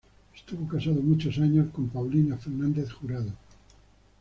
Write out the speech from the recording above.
Estuvo casado muchos años con Paulina Fernández Jurado.